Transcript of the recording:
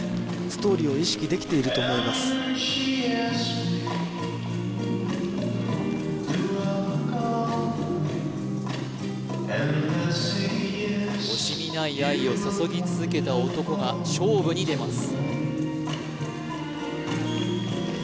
ストーリーを意識できていると思います惜しみない愛を注ぎ続けた男が勝負に出ます